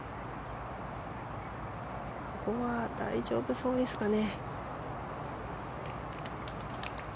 ここは大丈夫そうですかね。